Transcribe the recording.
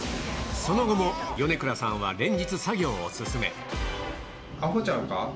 その後も米倉さんは連日、作業を進め。あほちゃうか？